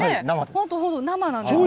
本当、生なんですけど。